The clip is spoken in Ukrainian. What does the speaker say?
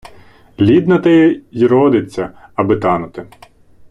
Лід на те й родиться, аби танути.